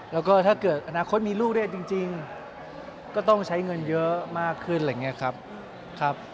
แล้วก็ถ้าเกิดอนาคตมีลูกด้วยจริงก็ต้องใช้เงินเยอะมากขึ้นอะไรอย่างนี้ครับ